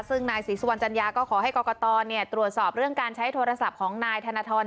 ซึ่งนายศรีสุวรรณจัญญาก็ขอให้กรกตตรวจสอบเรื่องการใช้โทรศัพท์ของนายธนทร